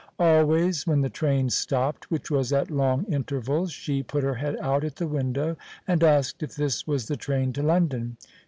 Always, when the train stopped, which was at long intervals, she put her head out at the window and asked if this was the train to London.